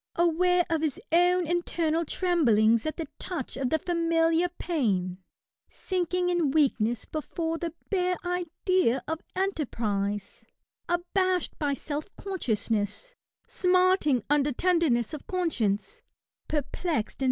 Aware of his own internal tremblings at the touch of the familiar pain, sinking in weakness before the bare idea of enterprise, abashed by self consciousness, smarting under tenderness of conscience, perplexed and 162 ESSAYS.